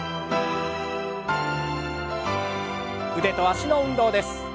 腕と脚の運動です。